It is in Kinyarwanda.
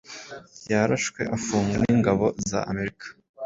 yarafashwe afungwa n'ingabo za Amerika